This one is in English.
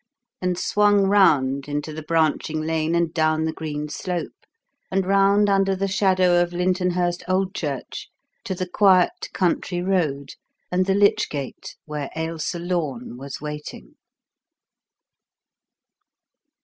And swung round into the branching lane and down the green slope, and round under the shadow of Lyntonhurst Old Church to the quiet country road and the lich gate where Ailsa Lorne was waiting.